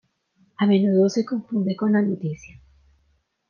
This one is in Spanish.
A menudo se confunde con la noticia.